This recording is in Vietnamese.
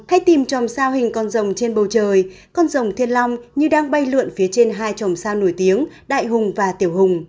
hãy tìm tròm sao hình con rồng trên bầu trời con rồng thiên long như đang bay lượn phía trên hai trồng sao nổi tiếng đại hùng và tiểu vùng